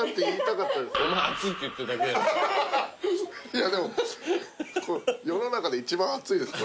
いやでも世の中で一番熱いですこれ。